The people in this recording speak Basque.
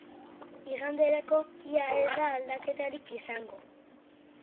Iganderako, ia ez da aldaketarik izango.